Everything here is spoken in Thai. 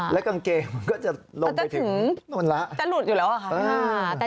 และกางเกงมันก็จะลงไปถึงมันละจะหลุดอยู่แล้วอ่ะค่ะ